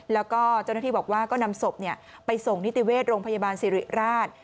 แล้วก็เจ้าหน้าที่บอกว่าก็นำศพไปส่งนิติเวชโรงพยาบาลสิริราช